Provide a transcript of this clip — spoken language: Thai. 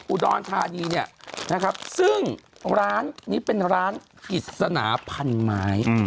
อุดรธานีเนี่ยนะครับซึ่งร้านนี้เป็นร้านกิจสนาพันไม้